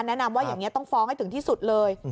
แนะนำว่าอย่างนี้ต้องฟ้องให้ถึงที่สุดเลย